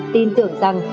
tin tưởng rằng